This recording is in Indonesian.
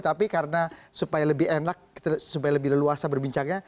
tapi karena supaya lebih enak supaya lebih leluasa berbincangnya